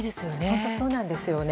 本当にそうなんですよね。